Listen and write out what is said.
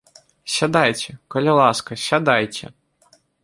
Сядайце, калі ласка, сядайце!